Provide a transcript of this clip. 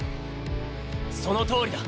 そのとおりだ。